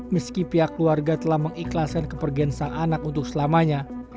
meski pihak keluarga telah mengikhlaskan kepergian sang anak untuk selamanya